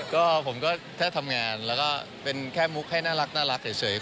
ก็ผมก็แค่ทำงานแล้วก็เป็นแค่มุกให้น่ารักเฉย